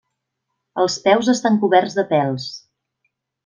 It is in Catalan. Els peus estan coberts de pèls.